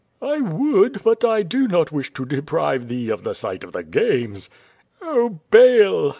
"I would, but I do not wish to deprive thee of the sight of the games." "Oh, Baal!"